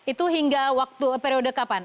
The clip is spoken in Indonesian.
itu hingga waktu periode kapan